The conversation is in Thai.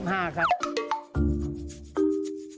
คือนายอัศพรบวรวาชัยครับ